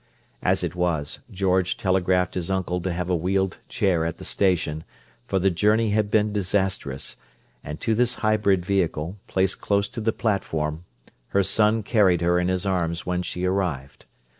As it was, George telegraphed his uncle to have a wheeled chair at the station, for the journey had been disastrous, and to this hybrid vehicle, placed close to the platform, her son carried her in his arms when she arrived.